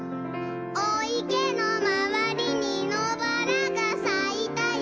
「おいけのまわりにのばらがさいたよ」